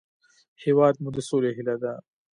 هېواد مو د سولې هیله ده